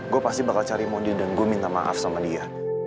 gue pasti bakal cari mondi dan gue minta maaf sama dia